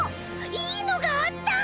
いいのがあった！